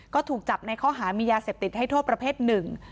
ก็ถูกจับในข้อหามียาเสพติดให้โทษประเภทหนึ่ง